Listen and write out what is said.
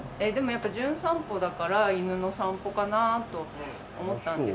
やっぱり『じゅん散歩』だから『犬の散歩』かなと思ったんですけど。